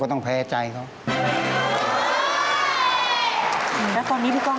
โอ้โฮ